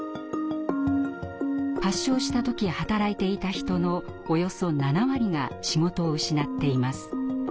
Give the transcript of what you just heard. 発症した時働いていた人のおよそ７割が仕事を失っています。